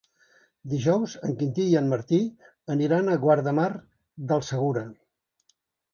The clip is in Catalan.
Dijous en Quintí i en Martí aniran a Guardamar del Segura.